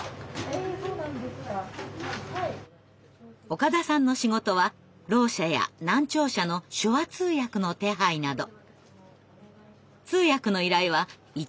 岡田さんの仕事はろう者や難聴者の手話通訳の手配など。